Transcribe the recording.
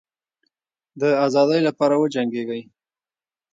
د آزادی لپاره وجنګېږی.